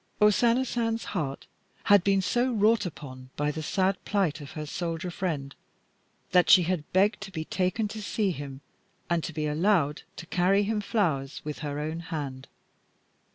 O Sana San's heart had been so wrought upon by the sad plight of her soldier friend that she had begged to be taken to see him and to be allowed to carry him flowers with her own hand.